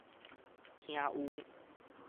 聽有